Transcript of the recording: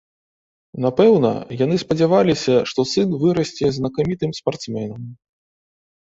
Напэўна, яны спадзяваліся, што сын вырасце знакамітым спартсменам.